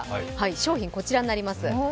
商品、こちらになります。